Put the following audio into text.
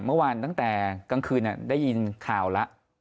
เมื่อวานตั้งแต่กลางคืนได้ยินข่าวแล้ว